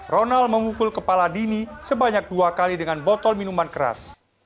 ronald memukul kepala dini sebanyak dua kali dengan botol minuman keras